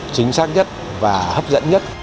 chính xác nhất và hấp dẫn nhất